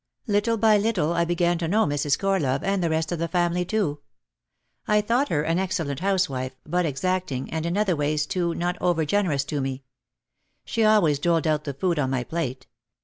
Little by little I began to know Mrs. Corlove and the rest of the family too. I thought her an excellent house wife but exacting and in other ways too not over gen erous to me. She always doled out the food on my plate.